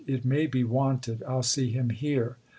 " It may be wanted. I'll see him here."